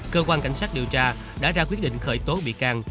cơ quan cảnh sát điều tra đã ra quyết định khởi tố bị can